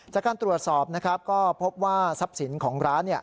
จากการตรวจสอบนะครับก็พบว่าทรัพย์สินของร้าน